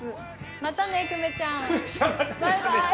またねくめちゃんバイバイ。